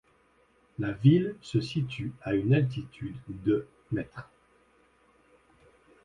La ville se situe à une altitude de m.